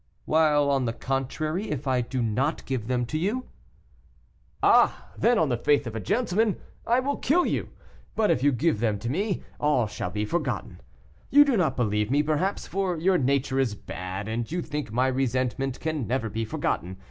"While, on the contrary, if I do not give them to you?" "Ah! then, on the faith of a gentleman, I will kill you! But if you give them to me, all shall be forgotten. You do not believe me, perhaps, for your nature is bad, and you think my resentment can never be forgotten.